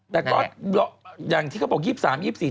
ได้แหละเหมือนกับที่เขาบอก